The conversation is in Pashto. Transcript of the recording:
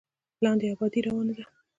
لاندې ابادي روانه ده.